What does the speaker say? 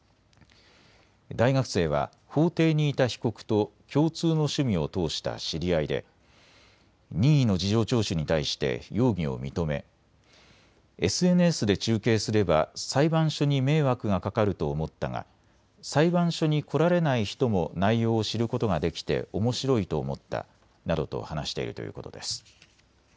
大学生は法廷にいた被告と共通の趣味を通した知り合いで任意の事情聴取に対して容疑を認めＳＮＳで中継すれば裁判所に迷惑がかかると思ったが裁判所に来られない人も内容を知ることができておもしろいと思ったなどと話しているということです。